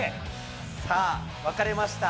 さあ、分かれました。